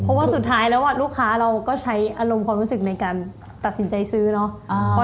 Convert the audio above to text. เพราะว่าสุดท้ายแล้วลูกค้าเราก็ใช้อารมณ์ความรู้สึกในการตัดสินใจซื้อเนาะ